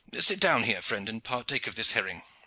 Sit down here, friend, and partake of this herring.